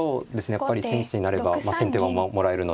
やっぱり千日手になれば先手番をもらえるので。